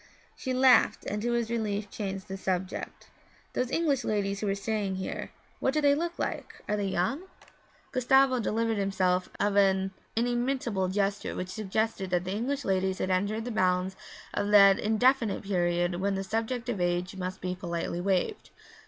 She laughed and to his relief changed the subject. 'Those English ladies who are staying here what do they look like? Are they young?' Gustavo delivered himself of an inimitable gesture which suggested that the English ladies had entered the bounds of that indefinite period when the subject of age must be politely waived.